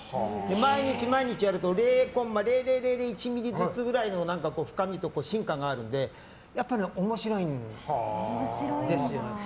毎日毎日やると、０コンマ０００１ミリずつぐらいの深みと進化があるのでやっぱり面白いんですよ。